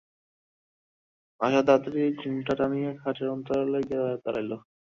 আশা তাড়াতাড়ি ঘোমটা টানিয়া খাটের অন্তরালে গিয়া দাঁড়াইল।